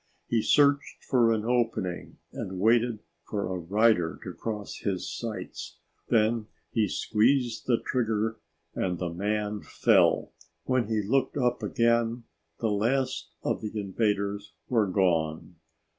He searched for an opening and waited for a rider to cross his sights; then he squeezed the trigger and the man fell. When he looked up again the last of the invaders were gone.